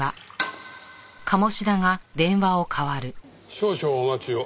少々お待ちを。